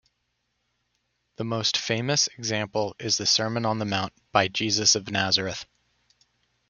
The most famous example is the Sermon on the Mount by Jesus of Nazareth.